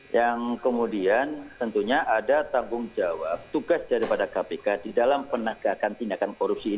yang kemudian tentunya ada tanggung jawab tugas daripada kpk di dalam penegakan tindakan korupsi